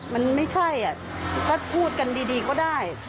มันไม่ใช่ถ้าพูดกันดีก็ได้